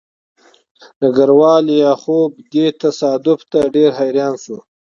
ډګروال لیاخوف دې تصادف ته ډېر حیران شو